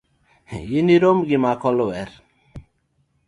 Inirom gi makolwer